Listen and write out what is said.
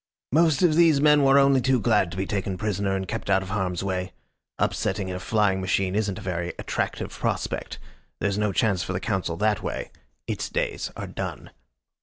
Most of these men were only too glad to be taken prisoner and kept out of harm's way. Upsetting in a flying machine isn't a very attractive prospect. There's no chance for the Council that way. Its days are done."